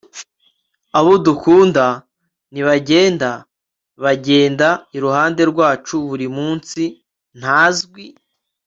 abo dukunda ntibagenda, bagenda iruhande rwacu buri munsi - ntazwi